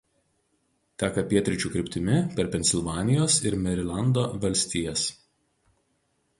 Teka pietryčių kryptimi per Pensilvanijos ir Merilando valstijas.